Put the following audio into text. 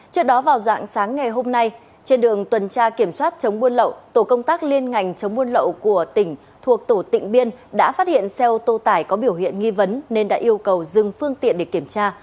trước đó vào dạng sáng ngày hôm nay trên đường tuần tra kiểm soát chống buôn lậu tổ công tác liên ngành chống buôn lậu của tỉnh thuộc tổ tỉnh biên đã phát hiện xe ô tô tải có biểu hiện nghi vấn nên đã yêu cầu dừng phương tiện để kiểm tra